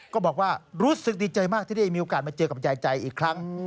ก็บอกว่ารู้สึกดีใจมากที่ได้มีโอกาสมาเจอกับยายใจอีกครั้ง